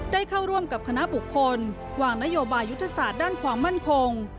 ได้เข้าร่วมกับคณะบุคคลวางนโยบายยุทธศาสตร์ด้านความมั่นคง